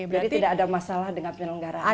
jadi tidak ada masalah dengan penyelenggaraan acara